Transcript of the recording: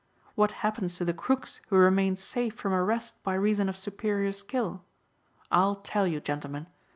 What happens to the crooks who remain safe from arrest by reason of superior skill? I'll tell you, gentlemen.